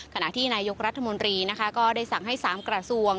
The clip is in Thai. ขณะที่นายกรัฐมนตรีก็ได้สั่งให้สามกราศวง